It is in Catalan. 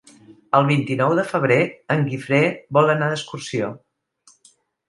El vint-i-nou de febrer en Guifré vol anar d'excursió.